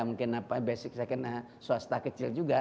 mungkin basic saya kena swasta kecil juga